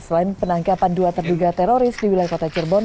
selain penangkapan dua terduga teroris di wilayah kota cirebon